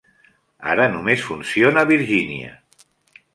Ara només funciona a Virgínia.